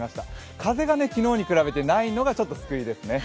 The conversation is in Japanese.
風が昨日に比べてないのが救いですね。